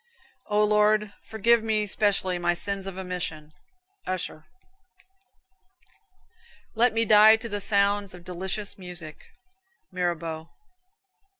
"O Lord, forgive me specially my sins of omission." Usher. "Let me die to the sounds of delicious music." Mirabeau.